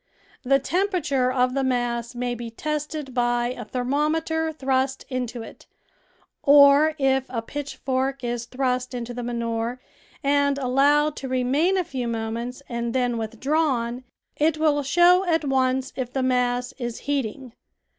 The temperature of the mass may be tested by a thermometer thrust into it, or if a pitchfork is thrust into the manure and allowed to remain a few moments and then withdrawn, it will show at once if the mass is heating.